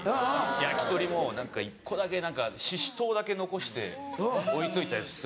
焼き鳥も１個だけシシトウだけ残して置いといたりするんです。